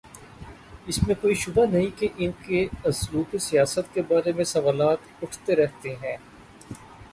اس میں کوئی شبہ نہیں کہ ان کے اسلوب سیاست کے بارے میں سوالات اٹھتے رہے ہیں۔